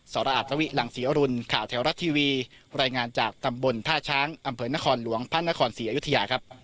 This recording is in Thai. รออาทวิหลังศรีอรุณข่าวแถวรัฐทีวีรายงานจากตำบลท่าช้างอำเภอนครหลวงพระนครศรีอยุธยาครับ